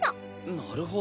なるほど。